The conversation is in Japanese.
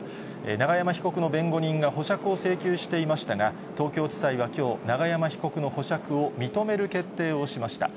永山被告の弁護人が保釈を請求していましたが、東京地裁はきょう、永山被告の保釈を認める決定をしました。